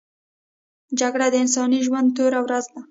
جګړه د انساني ژوند توره ورځ ده